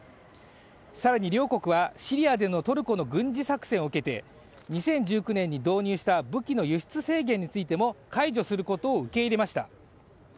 更に両国はシリアでのトルコの軍事作戦を受けて２０１９年に導入した武器の輸出制限についても解除することを受け入れました。